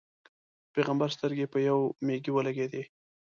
د پېغمبر سترګې په یوې مېږې ولګېدې.